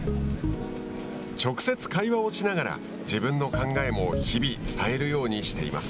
直接会話をしながら自分の考えも日々伝えるようにしています。